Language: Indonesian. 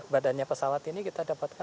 badannya pesawat ini kita dapatkan